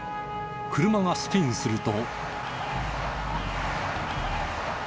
車がスピンすると。